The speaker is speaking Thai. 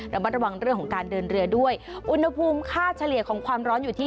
ระมัดระวังเรื่องของการเดินเรือด้วยอุณหภูมิค่าเฉลี่ยของความร้อนอยู่ที่